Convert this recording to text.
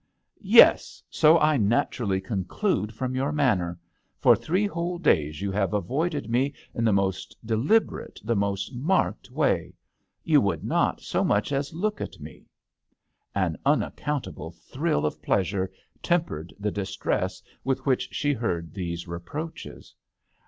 " Yes, so I naturally conclude from your manner. For three whole days you have avoided me in the most deliberate, the most marked way. You would not so much as look at me." THE h6tEL D'ANGLETERRE. 43 An unaccountable thrill of pleasure tempered the distress with which she heard these re proaches.